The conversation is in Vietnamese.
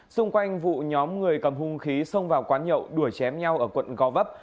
xung quanh vụ nhóm người cầm hung khí xông vào quán nhậu đuổi chém nhau ở quận gò vấp